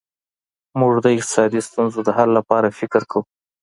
موږ د اقتصادي ستونزو د حل لپاره فکر کوو.